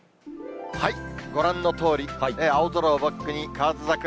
ご覧のとおり、青空をバックに、河津桜。